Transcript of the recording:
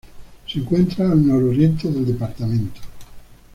Se encuentra al nororiente del departamento.